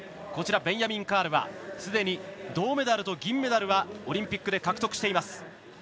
こちら、ベンヤミン・カールはすでに銅メダルと銀メダルはオリンピックで獲得しています。